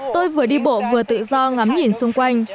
tôi vừa đi bộ vừa tự do ngắm nhìn xung quanh